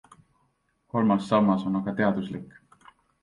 Kolmas sammas on aga teaduslik.